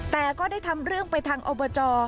แต่ก็ได้ทำเรื่องไปทางอบจ